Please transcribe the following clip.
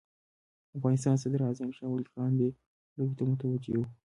افغانستان صدراعظم شاه ولي خان دې لوبې ته متوجه وو.